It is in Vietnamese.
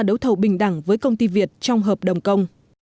đấu thầu bình đẳng với công ty việt trong hợp đồng công